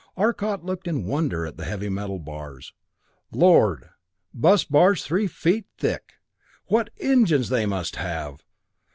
Arcot looked in wonder at the heavy metal bars. "Lord bus bars three feet thick! What engines they must have!